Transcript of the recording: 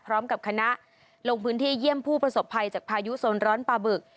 พร้อมกับคณะลงพื้นที่เยี่ยมผู้ประสบภัยจากพายุโซนร้อนปลาบึก